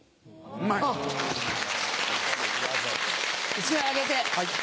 １枚あげて。